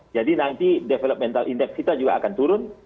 jadi nanti developmental index kita juga akan turun